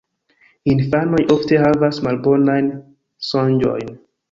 Infanoj ofte havas malbonajn sonĝojn.